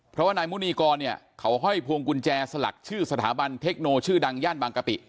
เพราะว่านายมุนีกรเนี่ยเขาห้อยพวงกุญแจสลักชื่อสถาบันเทคโนชื่อดังย่านบางกะปิ